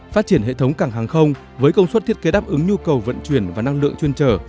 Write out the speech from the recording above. phát triển hệ thống cảng hàng không với công suất thiết kế đáp ứng nhu cầu vận chuyển và năng lượng chuyên trở